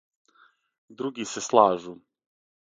Други се слажу.